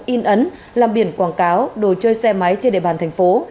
in ấn làm biển quảng cáo đồ chơi xe máy trên địa bàn thành phố